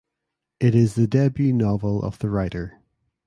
It is the debut novel of the writer.